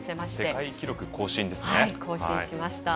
世界記録更新しました。